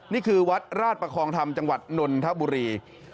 นี่คือวัดราชประคองธรรมจังหวัดนนทบุรี